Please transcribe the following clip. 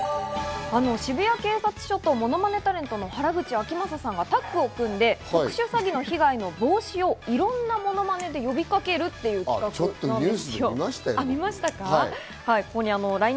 渋谷警察署とものまねタレントの原口あきまささんがタッグを組んで特殊詐欺の被害の防止をいろんなモノマネで呼びかけるという企画です。